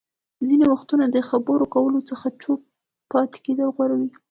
ځينې وختونه اه خبرو کولو څخه چوپ پاتې کېدل غوره وي.